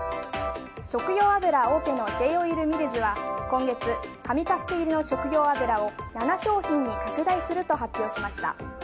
食用油大手のＪ−オイルミルズは今月紙パック入りの食用油を７商品に拡大すると発表しました。